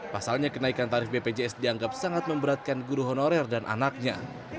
pasalnya kenaikan tarif bpjs dianggap sangat memberatkan guru honorer dan anaknya